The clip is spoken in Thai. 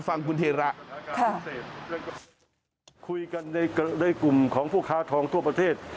ฟังคุณเทระค่ะคุยกันในในกลุ่มของผู้ค้าทองทั่วประเทศ